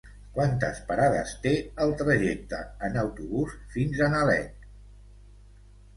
Quantes parades té el trajecte en autobús fins a Nalec?